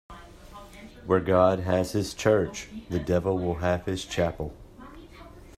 Where God has his church, the devil will have his chapel.